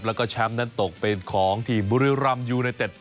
แล้วก็แชมป์นั้นตกเป็นของทีมบุรีรำยูไนเต็ด